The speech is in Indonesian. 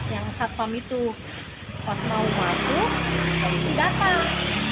yang satpam itu pas mau masuk polisi datang